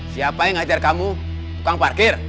siapa yang ngajar kamu tukang parkir